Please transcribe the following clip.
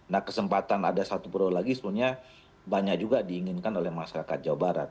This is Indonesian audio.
nah kesempatan ada satu pro lagi sebenarnya banyak juga diinginkan oleh masyarakat jawa barat